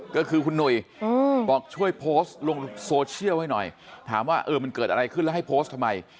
ก็คือคุณหนุ่ยบอกช่วยโพสต์ลงโซเชียลให้หน่อยถามว่าเออมันเกิดอะไรขึ้นแล้วให้โพสต์ทำไม